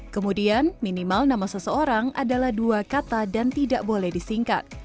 kemudian minimal nama seseorang adalah dua kata dan tidak boleh disingkat